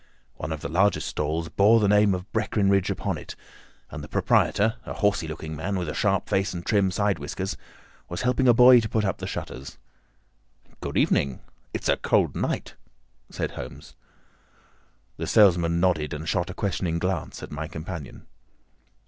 One of the largest stalls bore the name of Breckinridge upon it, and the proprietor a horsey looking man, with a sharp face and trim side whiskers was helping a boy to put up the shutters. "Good evening. It's a cold night," said Holmes. The salesman nodded and shot a questioning glance at my companion.